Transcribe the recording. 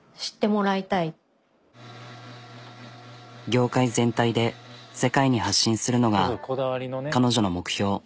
業界全体で世界に発信するのが彼女の目標。